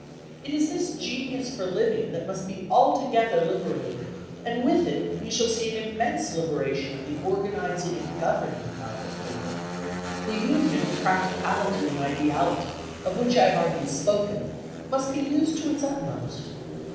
It is this genius for living that must be altogether liberated, and with it we shall see an immense liberation of the organising and governing power of women. The union of practicality and ideality, of which I have already spoken, must be used to its utmost.